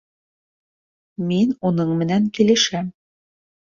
Мин уның менән килешәм